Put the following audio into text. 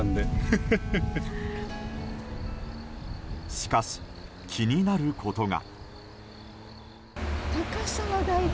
しかし、気になることが。